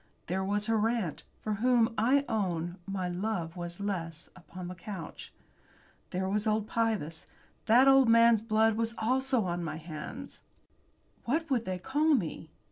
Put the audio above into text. There was her aunt, for whom, I own, my love was less, upon the couch. There was old Pybus. That old man's blood was also on my hands. What would they call me?